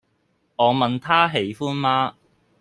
我問他喜歡嗎